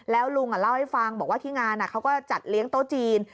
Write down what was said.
แล้วลุงเล่าให้ฟังบอกว่าที่งานเขาก็จัดเลี้ยงโต๊ะจีน